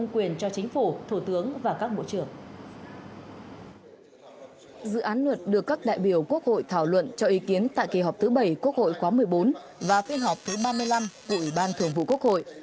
kỳ họp thứ bảy quốc hội khóa một mươi bốn và kỳ họp thứ ba mươi năm của ủy ban thường vụ quốc hội